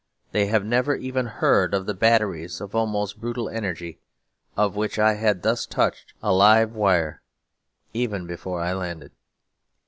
They have never even heard of the batteries of almost brutal energy, of which I had thus touched a live wire even before I landed.